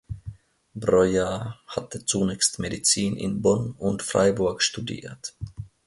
Breuer hatte zunächst Medizin in Bonn und Freiburg studiert.